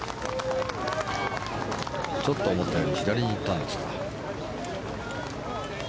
ちょっと思ったより左に行ったんですか。